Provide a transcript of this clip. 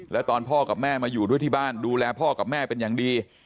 แล้วตอนพ่อกับแม่มาอยู่ด้วยที่บ้านดูแลพ่อกับแม่เป็นอย่างดี